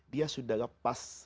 dia sudah lepas